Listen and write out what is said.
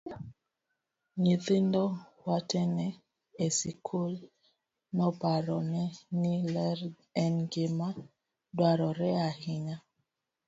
Nyithindo wetene e skul noparone ni ler en gima dwarore ahinya.